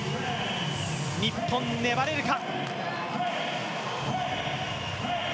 日本、ねばれるか。